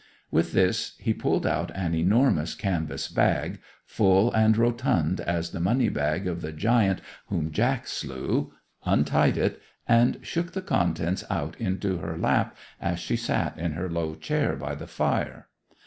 With this he pulled out an enormous canvas bag, full and rotund as the money bag of the giant whom Jack slew, untied it, and shook the contents out into her lap as she sat in her low chair by the fire.